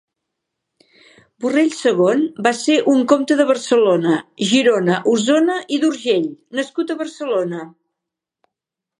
Borrell segon va ser un comte de Barcelona, Girona, Osona i d'Urgell nascut a Barcelona.